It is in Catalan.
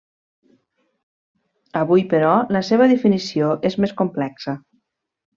Avui, però, la seva definició és més complexa.